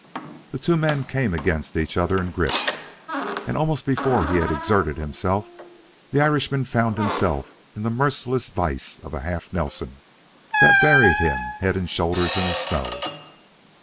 The two men came against each other in grips, and almost before he had exerted himself the Irishman found himself in the merciless vise of a half Nelson that buried him head and shoulders in the snow.